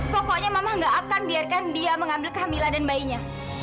pokoknya mama gak akan biarkan dia mengambil kehamila dan bayinya